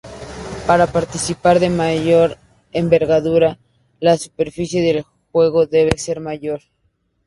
Para partidas de mayor envergadura la superficie de juego debe ser mayor.